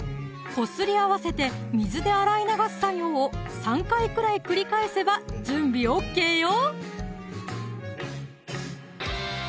こすり合わせて水で洗い流す作業を３回くらい繰り返せば準備ＯＫよ